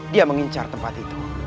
dia mengincar tempat itu